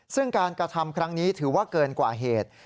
ซึ่งการกระทำครั้งนี้ถือว่าเกินกว่าเหตุ